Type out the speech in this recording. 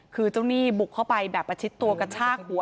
คือเจ้าหนี้บุกเข้าไปแบบประชิดตัวกระชากหัว